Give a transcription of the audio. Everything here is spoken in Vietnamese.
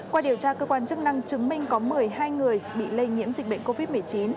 qua điều tra cơ quan chức năng chứng minh có một mươi hai người bị lây nhiễm dịch bệnh covid một mươi chín